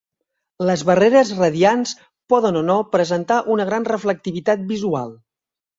Les barreres radiants poden o no presentar una gran reflectivitat visual.